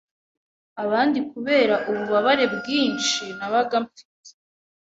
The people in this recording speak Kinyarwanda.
abandi kubera ububabare bwinshi nabaga mfite